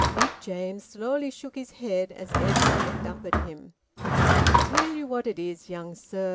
Big James slowly shook his head, as Edwin looked up at him. "I tell you what it is, young sir.